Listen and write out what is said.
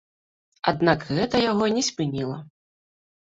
Аднак гэта яго не спыніла.